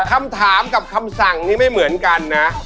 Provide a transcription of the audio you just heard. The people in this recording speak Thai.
คำถามกับคำสั่งนี้ไม่เหมือนกันนะ